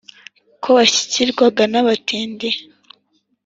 Ko washyikirwaga n’abatindi !